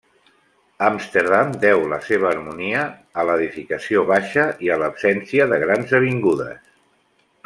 Amsterdam deu la seva harmonia a l'edificació baixa i a l'absència de grans avingudes.